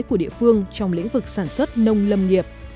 của địa phương trong lĩnh vực sản xuất nông lâm nghiệp